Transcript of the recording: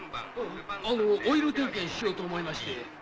あのオイル点検しようと思いまして。